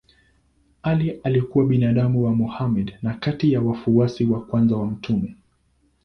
Ali alikuwa binamu wa Mohammed na kati ya wafuasi wa kwanza wa mtume.